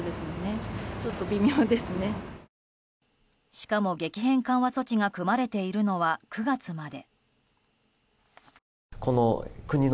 しかも、激変緩和措置が組まれているのは９月まで。